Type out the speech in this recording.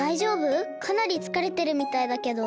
かなりつかれてるみたいだけど。